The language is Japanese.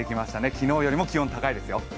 昨日よりも気温、高いですよ。